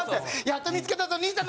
やっと見付けたぞ！